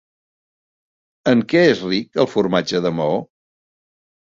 En què és ric el formatge de Maó?